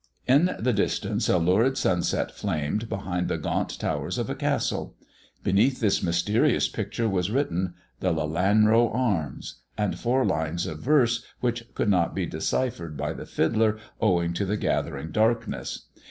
In the distance a lurid sunset flamed behind the gaunt towers of a castle. Beneath this mysterious picture was written " The Lelanro Arms " and four lines of verse, which could not be deciphered by the fiddler owing to the gathering darkness.